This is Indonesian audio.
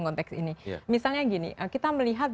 konteks ini misalnya gini kita melihat